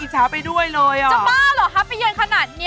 จะบ้าหรอครับตอนเย็นขนาดนี้